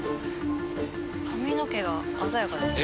髪の毛が鮮やかですね。